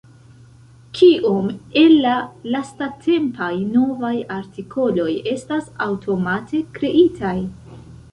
Kiom el la lastatempaj novaj artikoloj estas aŭtomate kreitaj?